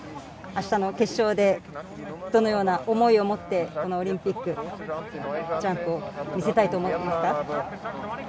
明日の決勝でどのような思いを持って、オリンピック、ジャンプを見せたいと思っていますか？